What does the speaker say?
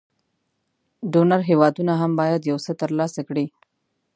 ډونر هېوادونه هم باید یو څه تر لاسه کړي.